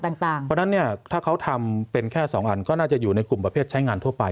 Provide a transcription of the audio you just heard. เพราะฉะนั้นถ้าเขาทำเป็นแค่๒อันก็น่าจะอยู่ในกลุ่มประเภทใช้งานทั่วไป